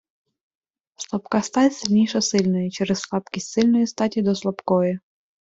Слабка стать сильніша сильної, через слабкість сильної статі до слабкої!